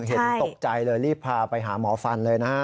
เห็นตกใจเลยรีบพาไปหาหมอฟันเลยนะฮะ